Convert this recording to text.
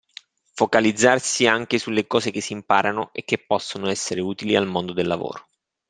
Focalizzarsi anche sulle cose che si imparano e che possono essere utili al mondo del lavoro.